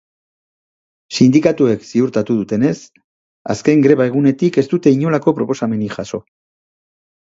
Sindikatuek ziurtatu dutenez, azken greba egunetik ez dute inolako proposamenik jaso.